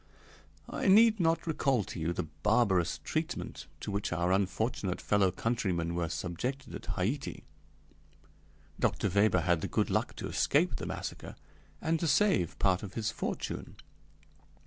I need not recall to you the barbarous treatment to which our unfortunate fellow countrymen were subjected at Haiti. Dr. Weber had the good luck to escape the massacre and to save part of his fortune.